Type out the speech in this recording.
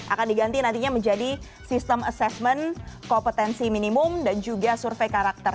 akan diganti nantinya menjadi sistem assessment kompetensi minimum dan juga survei karakter